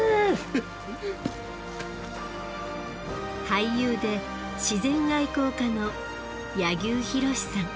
俳優で自然愛好家の柳生博さん。